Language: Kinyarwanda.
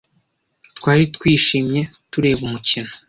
Twari twishimye tureba umukino.